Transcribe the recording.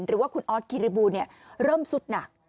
หรือว่าคุณออสคิริบูลเริ่มสุดหนัก